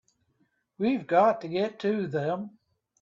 We've got to get to them!